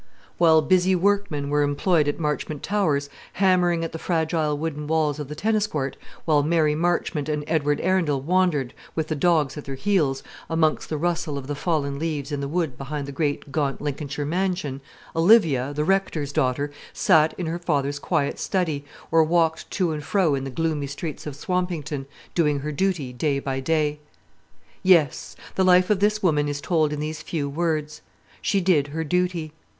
While busy workmen were employed at Marchmont Towers, hammering at the fragile wooden walls of the tennis court, while Mary Marchmont and Edward Arundel wandered, with the dogs at their heels, amongst the rustle of the fallen leaves in the wood behind the great gaunt Lincolnshire mansion, Olivia, the Rector's daughter, sat in her father's quiet study, or walked to and fro in the gloomy streets of Swampington, doing her duty day by day. Yes, the life of this woman is told in these few words: she did her duty.